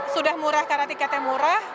sudah murah karena tiketnya murah